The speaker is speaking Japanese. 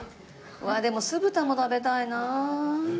うわっでも酢豚も食べたいなあ。